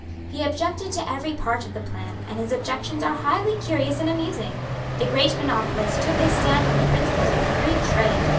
He objected to every part of the plan; and his objections are highly curious and amusing. The great monopolist took his stand on the principles of free trade.